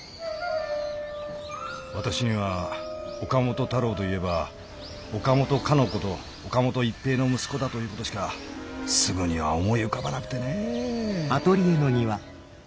私には岡本太郎といえば岡本かの子と岡本一平の息子だということしかすぐには思い浮かばなくてねえ。